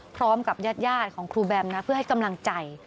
พร้อมกับญาติของครูแบมนะเพื่อให้กำลังใจ